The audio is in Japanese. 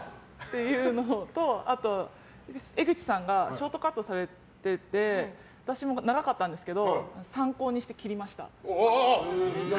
あと、江口さんがショートカットされてて私も長かったんですけど参考にして切りました。